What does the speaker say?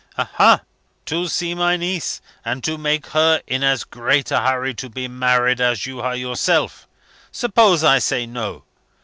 "Aha! to see my niece? and to make her in as great a hurry to be married as you are yourself? Suppose I say, No?